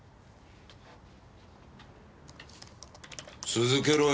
続けろよ。